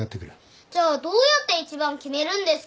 じゃあどうやって１番決めるんですか？